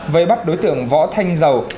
vây bắt đối tượng võ thanh dầu